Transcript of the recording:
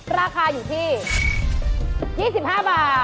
ราคาอยู่ที่๒๕บาท